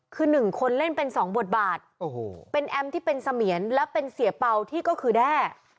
คือหนึ่งคนเล่นเป็นสองบทบาทโอ้โหเป็นแอมที่เป็นเสมียนและเป็นเสียเป่าที่ก็คือแด้